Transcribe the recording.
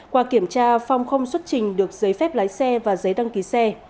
qua kiểm tra phong không xuất trình được giấy phép lái xe và giấy đăng ký xe